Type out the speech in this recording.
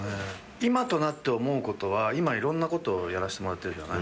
今となって思うことは今いろんなことをやらせてもらってるじゃない。